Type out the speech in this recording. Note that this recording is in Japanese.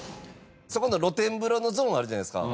そこの露天風呂のゾーンあるじゃないですか。